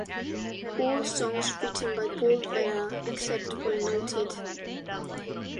All songs written by Paul Weller, except where noted.